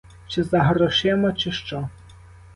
Чи за грошима, чи що.